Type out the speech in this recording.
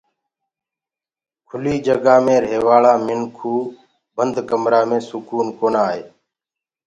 کُلي جگآ مينٚ ريهوآݪآ مِنکوُ بند ڪمرآ مي سڪون ڪونآ آئي